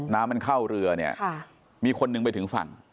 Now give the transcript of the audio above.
น้ำมันเข้าเรือเนี่ยมีคนหนึ่งไปถึงฝั่ง